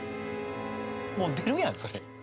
もう出るやんそれ！